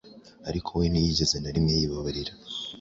Ariko we ntiyigeze na rimwe yibababarira.